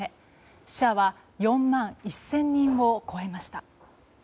死者は４万１０００人を超えました。